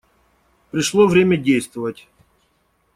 Пришло время действовать.